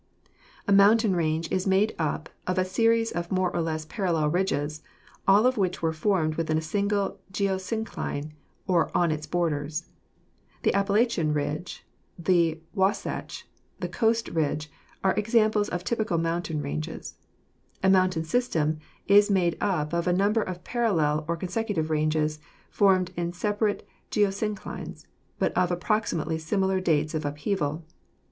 A mountain range is made up of a series of more or less parallel ridges, all of which were formed within a single geosyncline or on its borders. The Appalachian range, the Wasatch, the Coast Range are examples of typical mountain ranges. A mountain system is made up of a number of parallel or consecutive ranges, formed in sepa rate geosynclines, but of approximately similar dates of upheaval.